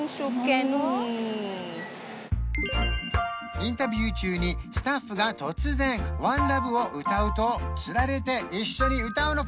インタビュー中にスタッフが突然「ＯｎｅＬｏｖｅ」を歌うとつられて一緒に歌うのか？